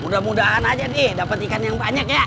mudah mudahan aja nih dapet ikan yang banyak ya